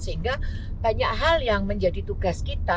sehingga banyak hal yang menjadi tugas kita